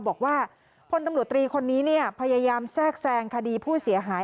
บอกว่าพลตำรวจตรีคนนี้พยายามแทรกแซงคดีผู้เสียหาย